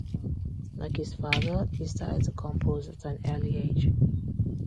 Like his father, he started to compose at an early age.